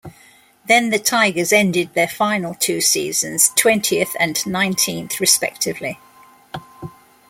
Then, the Tigers ended their final two seasons twentieth and nineteenth, respectively.